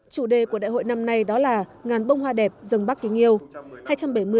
chủ đề của đại hội năm nay đó là ngàn bông hoa đẹp dân bắc kinh yêu